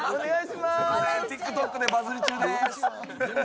ＴｉｋＴｏｋでバズり中です。